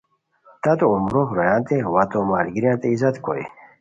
تتو عمرو رویانتے و ا تو ملگیریانتے عزت کوئے